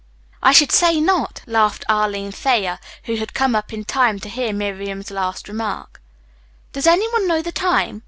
"I should say not," laughed Arline Thayer, who had come up in time to hear Miriam's last remark. "Does any one know the time?"